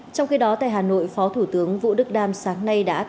trong khi đó tại hà nội phó thủ tướng vũ đức đam sáng nay đã tiếp